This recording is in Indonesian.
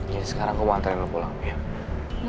jadi sekarang gue mau antarin lo pulang ya